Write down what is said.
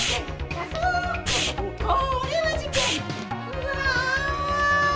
うわ！